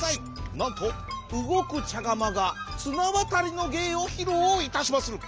なんとうごくちゃがまがつなわたりのげいをひろういたしまする。